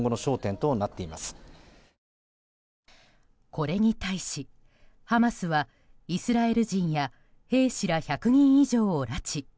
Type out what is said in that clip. これに対し、ハマスはイスラエル人や兵士ら１００人以上を拉致。